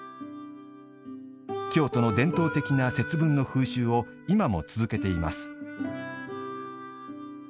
京都の伝統的な節分の風習を今も続けています。